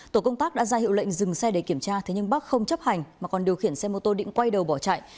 tổ công tác đã ra hiệu lệnh dừng xe để kiểm tra thế nhưng bắc không chấp hành mà còn điều khiển xe mô tô định quay đầu bỏ chạy